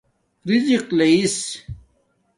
رزِق لَیس